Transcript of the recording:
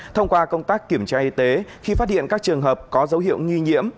thông qua công tác kiểm tra y tế khi phát hiện các trường hợp có dấu hiệu nghi nhiễm